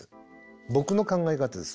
僕の考え方です。